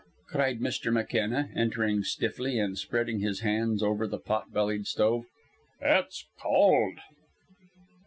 "Br r r!" cried Mr. McKenna, entering stiffly and spreading his hands over the potbellied stove. "It's cold."